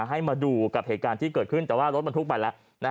ให้มาดูกับเหตุการณ์ที่เกิดขึ้นแต่ว่ารถบรรทุกไปแล้ว